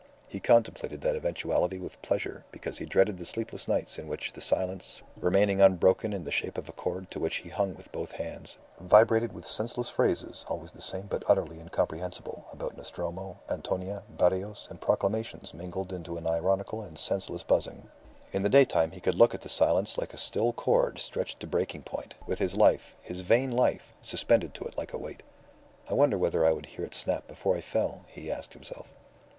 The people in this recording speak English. He contemplated that eventuality with pleasure, because he dreaded the sleepless nights in which the silence, remaining unbroken in the shape of a cord to which he hung with both hands, vibrated with senseless phrases, always the same but utterly incomprehensible, about Nostromo, Antonia, Barrios, and proclamations mingled into an ironical and senseless buzzing. In the daytime he could look at the silence like a still cord stretched to breaking point, with his life, his vain life, suspended to it like a weight. "I wonder whether I would hear it snap before I fell," he asked himself.